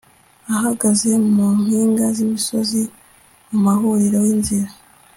Ahagaze mu mpinga zimisozi Mu mahuriro yinzira